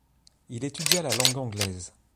Il étudia la langue anglaise.